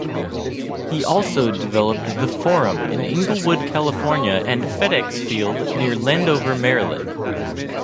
He also developed The Forum in Inglewood, California and FedExField near Landover, Maryland.